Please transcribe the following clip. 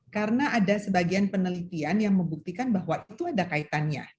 karena ada sebagian penelitian yang membuktikan bahwa itu ada kaitannya